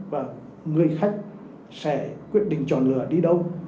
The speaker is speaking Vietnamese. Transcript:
và người khách sẽ quyết định chọn lựa đi đâu